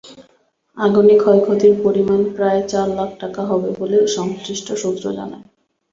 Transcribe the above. আগুনে ক্ষয়ক্ষতির পরিমাণ প্রায় চার লাখ টাকা হবে বলে সংশ্লিষ্ট সূত্র জানায়।